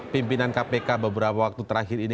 pimpinan kpk beberapa waktu terakhir ini